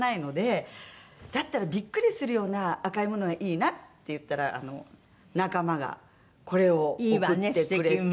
「だったらビックリするような赤いものがいいな」って言ったら仲間がこれを贈ってくれて。